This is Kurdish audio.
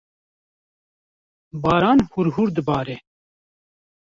Baran hûrhûr dibare.